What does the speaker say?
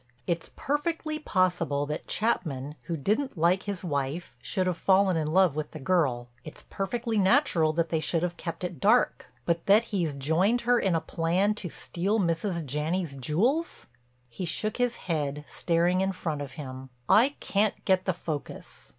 It's perfectly possible that Chapman, who didn't like his wife, should have fallen in love with the girl, it's perfectly natural that they should have kept it dark; but that he's joined with her in a plan to steal Mrs. Janney's jewels!"—he shook his head staring in front of him—"I can't get the focus.